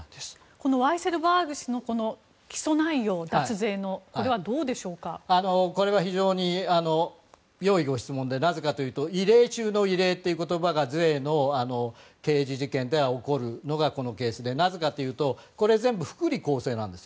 このワイセルバーグ氏の起訴内容、脱税のこれは非常に良いご質問でなぜかというと異例中の異例という言葉が税の刑事事件では起こるのがこのケースで、なぜかというとこれ全部、福利厚生なんです。